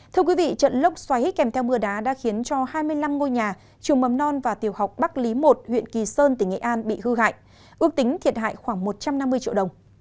thưa quý vị trận lốc xoáy kèm theo mưa đá đã khiến cho hai mươi năm ngôi nhà trường mầm non và tiểu học bắc lý một huyện kỳ sơn tỉnh nghệ an bị hư hại ước tính thiệt hại khoảng một trăm năm mươi triệu đồng